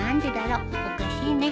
おかしいね。